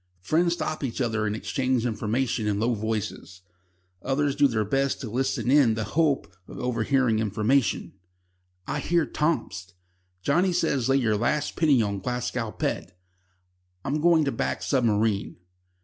Friends stop each other and exchange information in low voices. Others do their best to listen in the hope of overhearing information: "I hear Tomsk," "Johnnie says lay your last penny on Glasgow Pet," "I'm going to back Submarine."